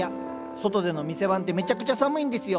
外での店番ってめちゃくちゃ寒いんですよ。